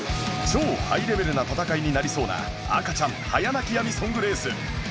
超ハイレベルな戦いになりそうな赤ちゃん早泣き止みソングレース